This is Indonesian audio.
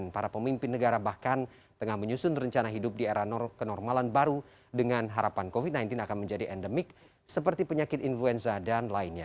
para pemimpin negara bahkan tengah menyusun rencana hidup di era kenormalan baru dengan harapan covid sembilan belas akan menjadi endemik seperti penyakit influenza dan lainnya